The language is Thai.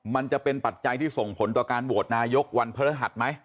มันจะเป็นปัจจัยที่ส่งผลต่อการโหวตนายกวันพระฤหัสไหม